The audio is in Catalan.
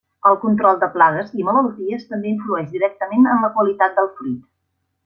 El control de plagues i malalties també influeix directament en la qualitat del fruit.